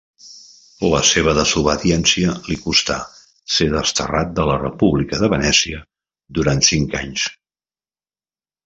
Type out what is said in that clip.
La seva desobediència li costà ser desterrat de la República de Venècia durant cinc anys.